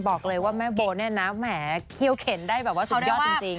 บอกเลยว่าแม่โบเนี่ยนะแหมเขี้ยวเข็นได้แบบว่าสุดยอดจริง